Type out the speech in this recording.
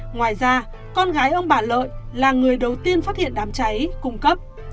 ngoài ra con gái ông bà lợi là người đầu tiên phát hiện đám cháy cung cấp